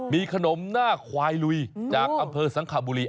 มีขนมหน้าควายลุยจากอำเภอสังขบุรี